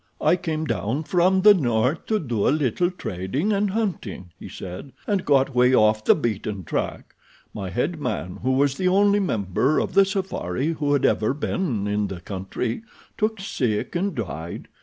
"I came down from the north to do a little trading and hunting," he said, "and got way off the beaten track. My head man, who was the only member of the safari who had ever before been in the country, took sick and died.